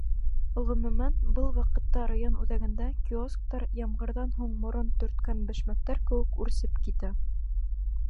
Ғөмүмән, был ваҡытҡа район үҙәгендә киосктар ямғырҙан һуң морон төрткән бәшмәктәр кеүек үрсеп китә.